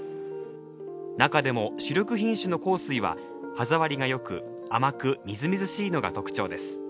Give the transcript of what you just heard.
中でも、主力品種の幸水は歯触りが良く甘くみずみずしいのが特徴です。